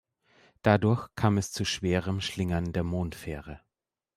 Dadurch kam es zu schwerem Schlingern der Mondfähre.